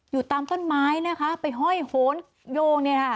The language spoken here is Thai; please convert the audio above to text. อยู่ตามต้นไม้นะคะไปห้อยโหนโยงเนี่ยค่ะ